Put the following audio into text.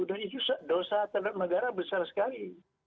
dan itu dosa terhadap negara besar sekali